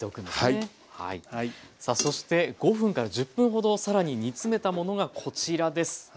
さあそして５分から１０分ほど更に煮詰めたものがこちらです。